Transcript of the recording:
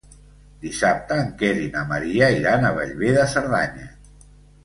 Dissabte en Quer i na Maria iran a Bellver de Cerdanya.